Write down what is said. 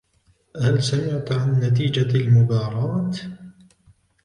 هل سمعت عن نتيجة المباراة ؟